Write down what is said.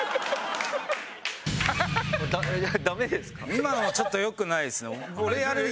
今のちょっと良くないですね。